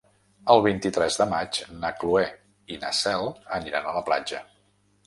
El vint-i-tres de maig na Cloè i na Cel aniran a la platja.